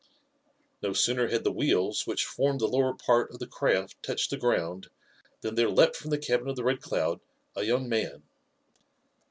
No sooner had the wheels which formed the lower part of the craft touched the ground than there leaped from the cabin of the Red Cloud a young man.